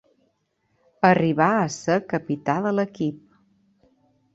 Arribà a ser capità de l'equip.